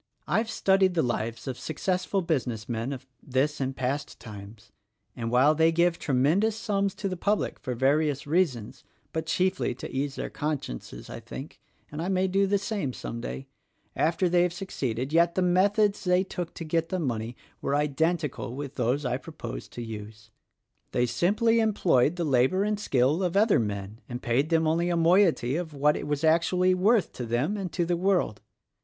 "I've studied the lives of successful business men of this and past times ; and while they give tremendous sums to the public for various reasons (but chiefly to ease their consciences, I think, — and I may do the same some day) after they have succeeded, yet the methods they took to get the money were identical with those I propose to use. They simply employed the labor and skill of other men and paid them only a moiety of what it was actually worth to them and to the world.